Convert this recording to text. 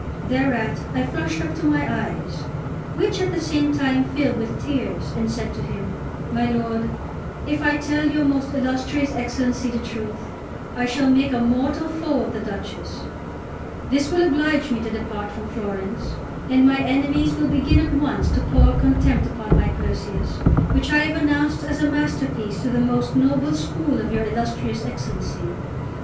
Thereat I flushed up to my eyes, which at the same time filled with tears, and said to him: "My lord, if I tell your most illustrious Excellency the truth, I shall make a mortal foe of the Duchess; this will oblige me to depart from Florence, and my enemies will begin at once to pour contempt upon my Perseus, which I have announced as a masterpiece to the most noble school of your illustrious Excellency.